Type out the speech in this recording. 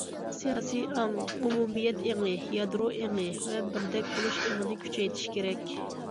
سىياسىي ئاڭ، ئومۇمىيەت ئېڭى، يادرو ئېڭى ۋە بىردەك بولۇش ئېڭىنى كۈچەيتىشى كېرەك.